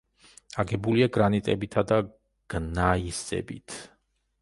აგებულია გრანიტებითა და გნაისებით.